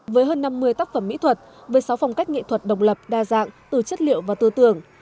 với hơn năm mươi tác phẩm mỹ thuật với sáu phong cách nghệ thuật độc lập đa dạng từ chất liệu và tư tưởng